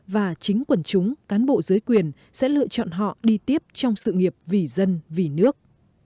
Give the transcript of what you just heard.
và chính quần chúng cán bộ giới quyền sẽ lựa chọn họ đi tiếp trong sự nghiệp vì dân vì nước